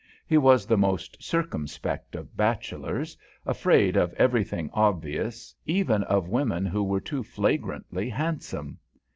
He was the most circumspect of bachelors, afraid of everything obvious, even of women who were too flagrantly handsome.